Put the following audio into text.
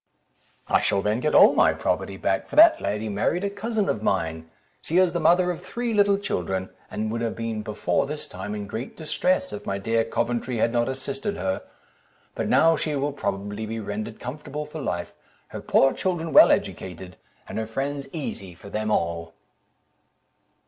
"I shall then get all my property back, for that lady married a cousin of mine; she is the mother of three little children, and would have been before this time in great distress, if my dear Coventry had not assisted her; but now she will probably be rendered comfortable for life, her poor children well educated, and her friends easy for them all."